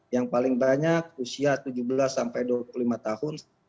yang paling banyak usia tujuh belas sampai dua puluh lima tahun